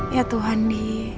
ya tuhan d